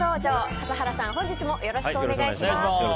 笠原さん、本日もよろしくお願いいたします。